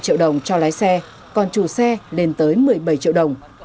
bảy năm triệu đồng cho lái xe còn trù xe lên tới một mươi bảy triệu đồng